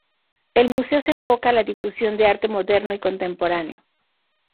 El museo se enfoca a la difusión de arte moderno y contemporáneo.